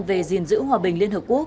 về diện giữ hòa bình liên hợp quốc